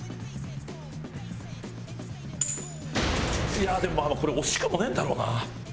いやでもこれ惜しくもねえんだろうな。